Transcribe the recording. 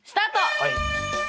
はい。